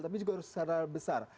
tapi juga secara besar